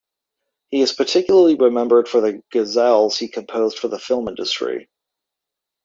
He is particularly remembered for the ghazals he composed for the film industry.